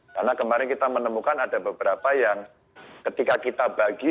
karena kemarin kita menemukan ada beberapa yang ketika kita bagi